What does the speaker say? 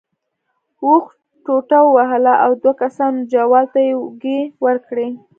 اوښ ټوډه ووهله او دوو کسانو جوال ته اوږې ورکړې.